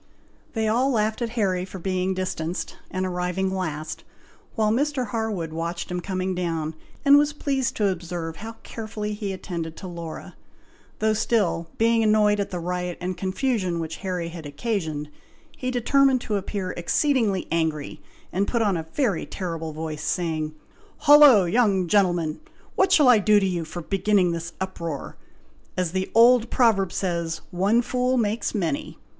They all laughed at Harry for being distanced, and arriving last; while Mr. Harwood watched him coming down, and was pleased to observe how carefully he attended to Laura, though still, being annoyed at the riot and confusion which Harry had occasioned, he determined to appear exceedingly angry, and put on a very terrible voice, saying, "Hollo! young gentleman! what shall I do to you for beginning this uproar? As the old proverb says, 'one fool makes many.'